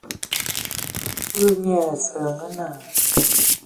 Kulu nye ai Asǝlǝg naa.